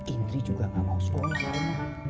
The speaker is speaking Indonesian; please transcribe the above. indri juga gak mau sekolah